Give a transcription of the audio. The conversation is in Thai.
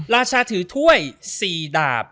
ราชาถือถ้วย๔ดาบ